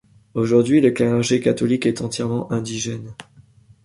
Aujourd’hui le clergé catholique est entièrement indigène.